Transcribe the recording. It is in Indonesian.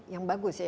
yang bagus ya